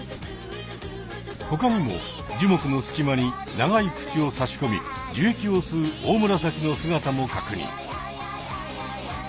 ほかにも樹木のすき間に長い口を差し込み樹液を吸うオオムラサキの姿も確認。